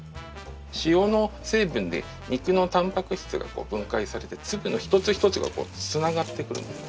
塩の成分で肉のたんぱく質が分解されて粒の一つ一つがつながってくるんですね。